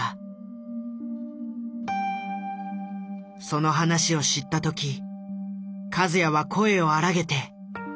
その話を知った時和也は声を荒げて反対した。